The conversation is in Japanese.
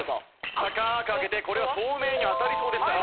高く上げてこれは照明に当たりそうでしたが。